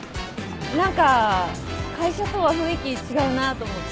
何か会社とは雰囲気違うなと思って。